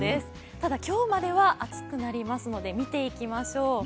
ただ、今日までは暑くなりますので見ていきましょう。